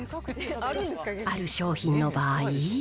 ある商品の場合。